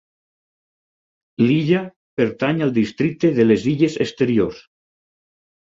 L'illa pertany al Districte de les Illes Exteriors.